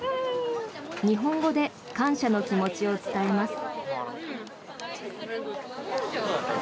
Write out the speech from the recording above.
日本語で感謝の気持ちを伝えます。